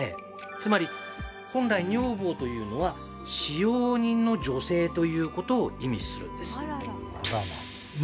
つまり本来「女房」というのは「使用人の女性」ということを意味するんです。